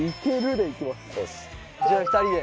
じゃあ２人で。